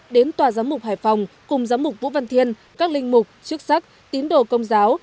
đến tòa giám mục hải phòng cùng giám mục vũ văn thiên các linh mục chức sắc tín đồ công giáo